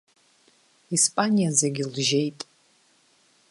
Испаниа зегь лжьеит!